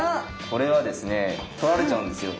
これはですね取られちゃうんですよ。